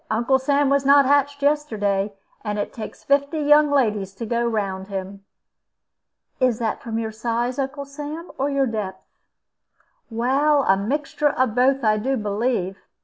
Uncle Sam was not hatched yesterday, and it takes fifty young ladies to go round him." "Is that from your size, Uncle Sam, or your depth?" "Well, a mixture of both, I do believe.